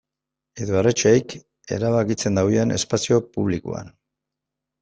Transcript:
Edo haiek erabakitzen duten espazio publikoan.